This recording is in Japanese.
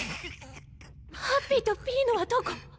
ハッピーとピーノはどこ？